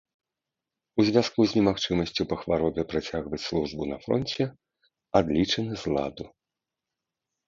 У звязку з немагчымасцю па хваробе працягваць службу на фронце, адлічаны з ладу.